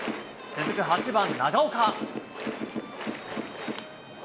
続く８番長岡。